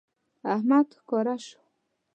احمد ښکاره شو